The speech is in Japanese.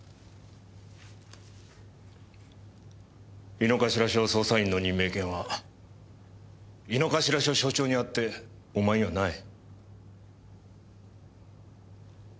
井の頭署捜査員の任命権は井の頭署署長にあってお前にはない。